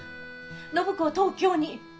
暢子を東京に！